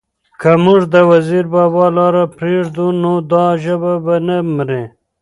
که موږ د وزیر بابا لاره پرېږدو؛ نو دا ژبه به نه مري،